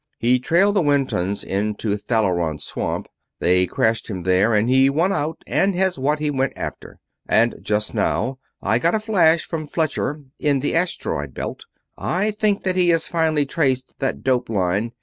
He trailed the Wintons into Thalleron swamp. They crashed him there, and he won out and has what he went after. And just now I got a flash from Fletcher, in the asteroid belt. I think that he has finally traced that dope line.